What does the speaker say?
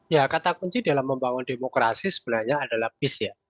ya kata kunci dalam membangun demokrasi sebenarnya adalah bis ya